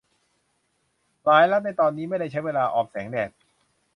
หลายรัฐในตอนนี้ไม่ได้ใช้เวลาออมแสงแดด